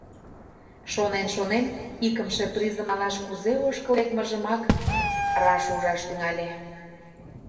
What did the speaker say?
Шонен-шонен, икымше призым налаш кузе ошкыл лекмыжымак раш ужаш тӱҥале.